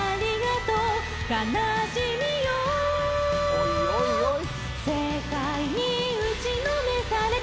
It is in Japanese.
おいおいおい。